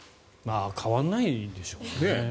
変わらないでしょうね。